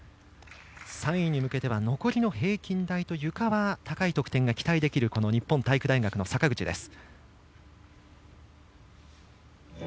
３位に向けては残りの平均台とゆかは高い得点が期待できる日本体育大学の坂口です。